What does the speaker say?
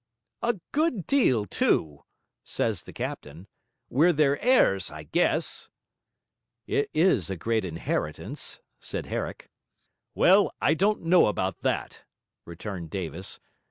'A good deal, too,' says the captain. 'We're their heirs, I guess.' 'It is a great inheritance,' said Herrick. 'Well, I don't know about that,' returned Davis.